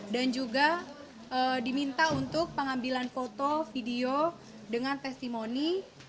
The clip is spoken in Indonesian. dan juga diminta untuk pengambilan foto video dengan testimoni